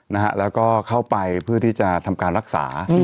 แล้วก็เข้าไปเพื่อที่จะทำการรักษา